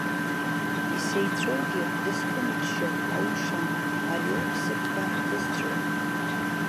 Исеицәоугьы дысхымыччар аушам, ари ауп сыбӷа ԥызҵәо!